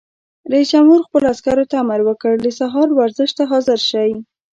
رئیس جمهور خپلو عسکرو ته امر وکړ؛ د سهار ورزش ته حاضر شئ!